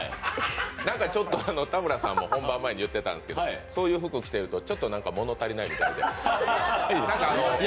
ちょっと田村さんも本番前に言ってたんですけどそういう服着てるとちょっと物足りないって。